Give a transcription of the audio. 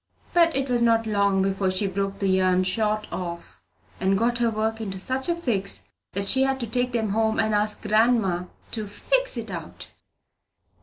But it was not long before she broke the yarn short off, and got her work into such a fix that she had to take it home and ask grandma to "fix it out."